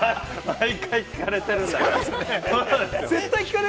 毎回聞かれてるんだから。